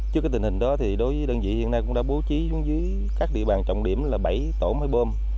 trước tình hình đó đơn vị hiện nay cũng đã bố trí xuống dưới các địa bàn trọng điểm là bảy tổ máy bom